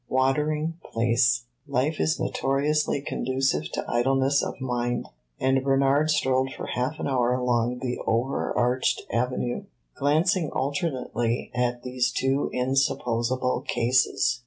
Watering place life is notoriously conducive to idleness of mind, and Bernard strolled for half an hour along the overarched avenue, glancing alternately at these two insupposable cases.